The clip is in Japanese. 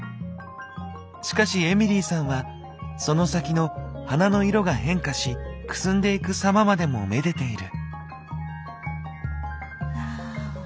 しかしエミリーさんはその先の花の色が変化しくすんでいく様までも愛でている。